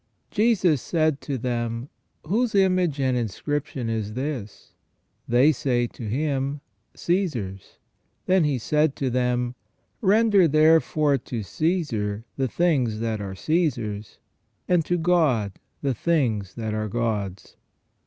"Jesus said to them : Whose image and inscription is this ? They say to him : Caesar's. Then he said to them : Render therefore to Caesar the things that are Caesar's, and to God the things that are God's."